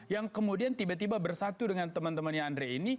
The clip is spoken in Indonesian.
yang kemudian tiba tiba bersatu dengan teman temannya anda